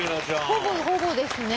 ほぼほぼですね。